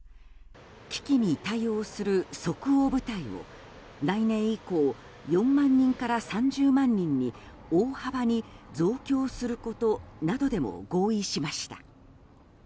危機に対応する即応部隊を来年以降４万人から３０万人に大幅に増強することなどでも合意しました。